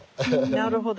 なるほど！